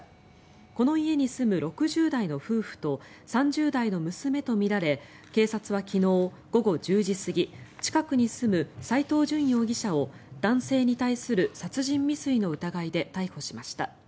この家に住む６０代の夫婦と３０代の娘とみられ警察は昨日午後１０時過ぎ近くに住む斎藤淳容疑者を男性に対する殺人未遂の疑いで逮捕しました。